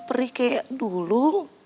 perih kayak dulu